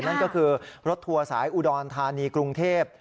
นั่นก็คือรถทัวร์สายอุดรธานีกรุงเทพ